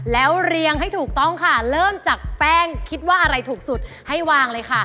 แล้วเรียงให้ถูกต้องค่ะเริ่มจากแป้งคิดว่าอะไรถูกสุดให้วางเลยค่ะ